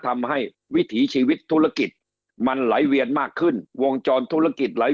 ทำให้วิถีชีวิตธุรกิจมันไหลเวียนมากขึ้นวงจรธุรกิจไหล